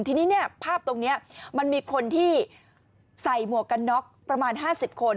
ทีนี้เนี่ยภาพตรงนี้มันมีคนที่ใส่หมวกกันน็อกประมาณ๕๐คน